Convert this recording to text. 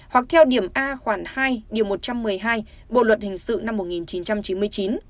hoặc theo điểm a khoảng hai điều một trăm một mươi hai bộ luật hình sự năm một nghìn chín trăm chín mươi chín